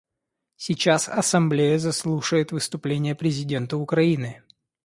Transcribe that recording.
Сейчас Ассамблея заслушает выступление президента Украины.